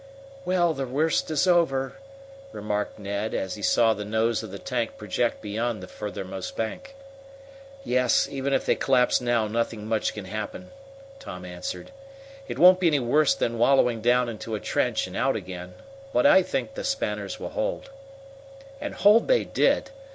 "Well, the worst is over," remarked Ned, as he saw the nose of the tank project beyond the farthermost bank. "Yes, even if they collapse now nothing much can happen," Tom answered. "It won't be any worse than wallowing down into a trench and out again. But I think the spanners will hold." And hold they did!